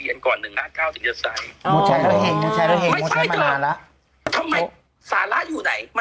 หนุ่มกัญชัยโทรมา